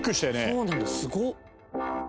そうなんだすごっ！